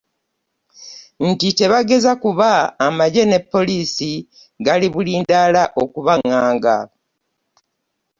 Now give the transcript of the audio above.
Nti tebageza kuba amagye ne poliisi gali bulindaala okubanganga.